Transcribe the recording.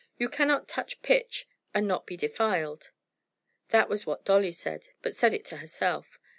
"You cannot touch pitch and not be defiled." That was what Dolly said, but said it to herself.